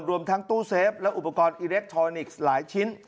รวมทั้งตู้เซฟและอุปกรณ์อิเล็กทรอนิกส์หลายชิ้น